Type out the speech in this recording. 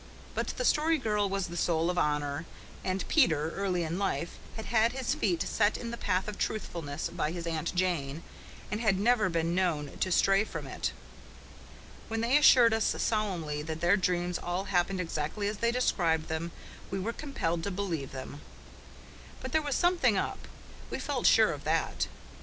But the Story Girl was the soul of honour; and Peter, early in life, had had his feet set in the path of truthfulness by his Aunt Jane and had never been known to stray from it. When they assured us solemnly that their dreams all happened exactly as they described them we were compelled to believe them. But there was something up, we felt sure of that.